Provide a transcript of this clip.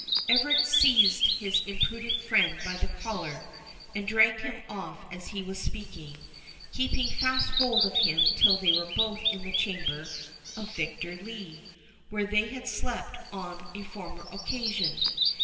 Everard seized his imprudent friend by the collar, and dragged him off as he was speaking, keeping fast hold of him till they were both in the chamber of Victor Lee, where they had slept on a former occasion.